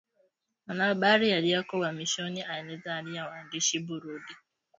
Mwanahabari aliyeko uhamishoni aeleza hali ya waandishi Burundi